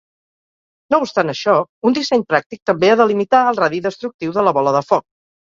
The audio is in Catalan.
No obstant això, un disseny pràctic també ha de limitar el radi destructiu de la bola de foc.